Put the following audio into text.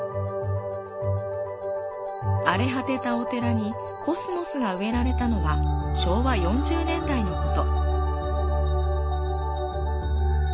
荒れ果てたお寺にコスモスが植えられたのは、昭和４０年代のこと。